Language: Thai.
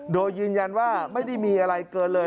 โดยยืนยันว่าไม่ได้มีอะไรเกินเลย